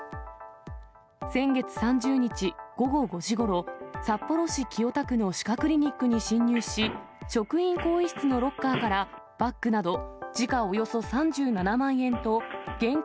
先月３０日午後５時ごろ、札幌市清田区の歯科クリニックに侵入し、職員更衣室のロッカーからバッグなど時価およそ３７万円と現金